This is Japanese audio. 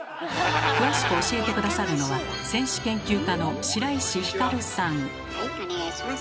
詳しく教えて下さるのはよろしくお願いします。